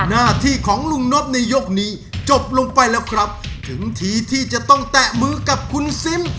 หน้าที่ของลุงนบในยกนี้จบลงไปแล้วครับถึงทีที่จะต้องแตะมือกับคุณซิม